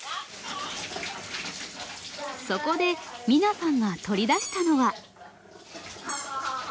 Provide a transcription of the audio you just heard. そこで美奈さんが取り出したのは。